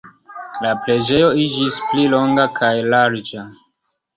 La preĝejo iĝis pli longa kaj larĝa.